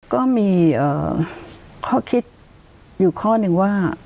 ก็มีข้อคิดอยู่ข้อหนึ่งว่า